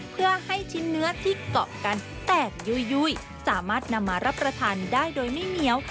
เพื่อให้ชิ้นเนื้อที่เกาะกันแตกยุ่ยสามารถนำมารับประทานได้โดยไม่เหนียว